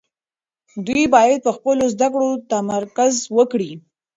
دوی باید په خپلو زده کړو تمرکز وکړي.